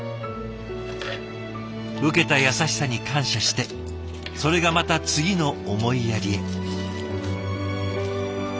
受けた優しさに感謝してそれがまた次の思いやりへ。